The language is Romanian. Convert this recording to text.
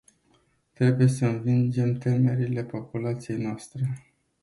Trebuie să învingem temerile populației noastre.